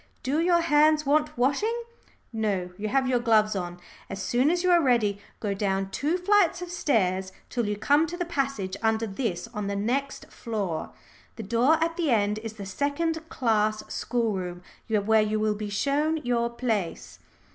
Do your hands want washing? No, you have your gloves on. As soon as you are ready, go down two flights of stairs till you come to the passage under this on the next floor. The door at the end is the second class schoolroom, where you will be shown your place."